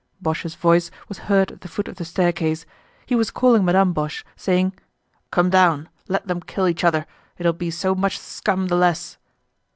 Boche's voice was heard at the foot of the staircase. He was calling Madame Boche, saying: "Come down; let them kill each other, it'll be so much scum the less."